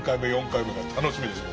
４回目が楽しみです